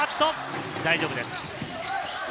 大丈夫です。